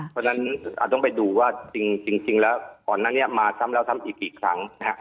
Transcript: เพราะฉะนั้นต้องไปดูว่าจริงแล้วก่อนนั้นเนี่ยมาซ้ำแล้วซ้ำอีกกี่ครั้งนะฮะ